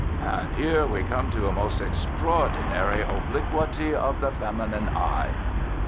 And here we come to a most extraordinary obliquity of the feminine eye.